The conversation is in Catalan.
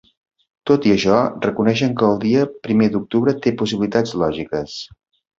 Tot i això reconeixen que el dia primer d’octubre té ‘possibilitats lògiques’.